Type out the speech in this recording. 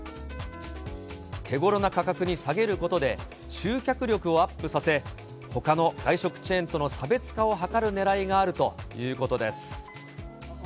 手頃な価格に下げることで、集客力をアップさせ、ほかの外食チェーンとの差別化を図るねらいがあるということです。